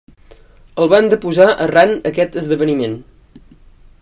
El van deposar arran aquest esdeveniment.